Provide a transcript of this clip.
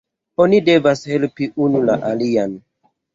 Oni devas helpi unu la alian.